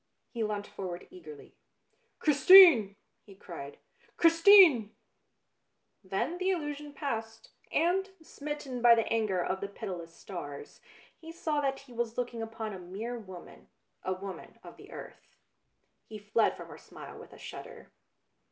He leant forward eagerly. " Chris tine !" he cried, " Christine !" Then the illusion passed, and, smitten by the anger of the pitiless stars, he saw that he was looking upon a mere woman, a woman of the earth. He fled from her smile with a shudder.